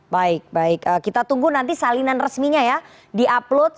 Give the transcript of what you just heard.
baik baik kita tunggu nanti salinan resminya ya di upload